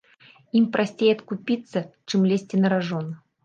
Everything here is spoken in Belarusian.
Ім прасцей адкупіцца, чым лезці на ражон.